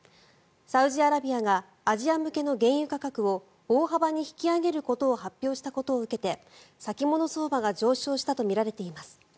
サウジアラビアがアジア向けの原油価格を大幅に引き上げることを発表したことを受けて先物相場が上昇したとみられています。